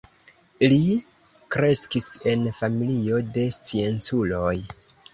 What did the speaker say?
Li kreskis en familio de scienculoj.